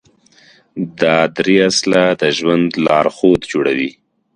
دا درې اصله د ژوند لارښود جوړوي.